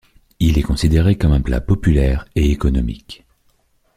Il est considéré comme un plat populaire et économique.